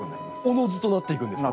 おのずとなっていくんですか？